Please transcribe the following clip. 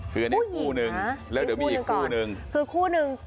คืออันนี้คู่หนึ่งแล้วเดี๋ยวมีอีกคู่หนึ่งก่อน